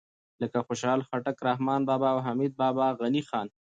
لکه خوشحال خټک، رحمان بابا او حمید بابا، غني خان